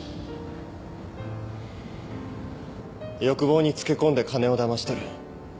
欲望につけ込んで金をだまし取る。